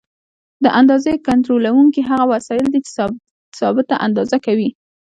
د اندازې کنټرولونکي هغه وسایل دي چې ثابته اندازه کوي.